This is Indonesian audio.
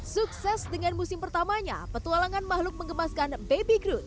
sukses dengan musim pertamanya petualangan makhluk mengemaskan baby groot